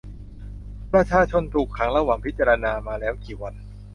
ประชาชนถูกขังระหว่างพิจารณามาแล้วกี่วัน ?